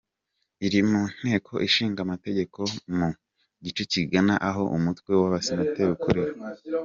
Iri mu Nteko Ishinga Amategeko mu gice kigana aho umutwe w’Abasenateri ukorera.